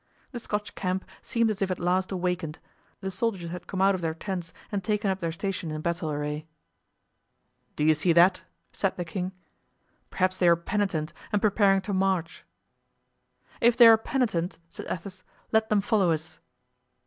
The Scotch camp seemed as if at last awakened; the soldiers had come out of their tents and taken up their station in battle array. "Do you see that?" said the king. "Perhaps they are penitent and preparing to march." "If they are penitent," said Athos, "let them follow us."